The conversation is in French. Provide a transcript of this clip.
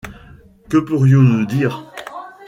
Que pourrions-nous dire ?